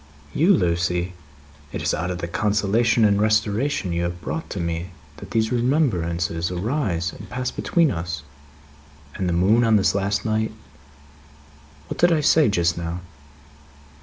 "You, Lucie? It is out of the Consolation and restoration you have brought to me, that these remembrances arise, and pass between us and the moon on this last night. What did I say just now?"